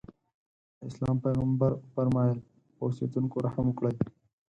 د اسلام پیغمبر وفرمایل په اوسېدونکو رحم وکړئ.